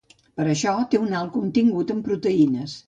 Per això té un alt contingut en proteïnes.